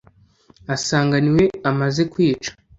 asanga niwe amaze kwica